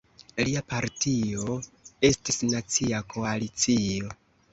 Lia partio estis Nacia Koalicio.